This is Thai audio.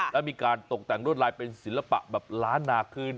และมีการตกแต่งรวดลายเป็นศิลปะแบบล้านนาขึ้น